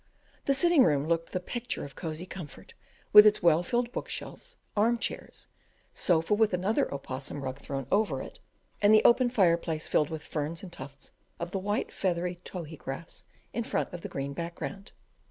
The sitting room looked the picture of cosy comfort, with its well filled book shelves, arm chairs, sofa with another opossum rug thrown over it, and the open fireplace filled with ferns and tufts of the white feathery Tohi grass in front of the green background.